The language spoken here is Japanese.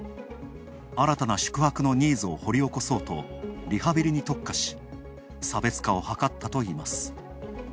新たな宿泊のニーズを掘り起こそうとリハビリに特化し、差別化を図ったといいます。